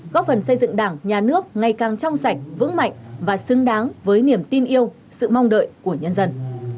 góp phần xây dựng đảng nhà nước ngày càng trong sạch vững mạnh và xứng đáng với niềm tin yêu sự mong đợi của nhân dân